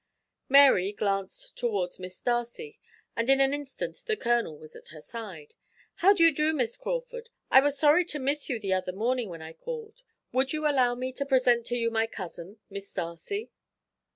Mary glanced towards Miss Darcy, and in an instant the Colonel was at her side. "How do you do, Miss Crawford? I was sorry to miss you the other morning when I called. Would you allow me to present to you my cousin, Miss Darcy?